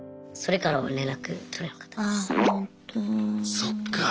そっか。